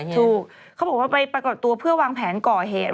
ถูกเขาบอกว่าไปปรากฏตัวเพื่อวางแผนก่อเหตุ